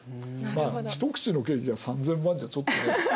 まあ一口のケーキが３，０００万じゃちょっとね。